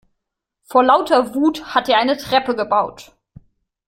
Vor lauter Wut hat er eine Treppe gebaut.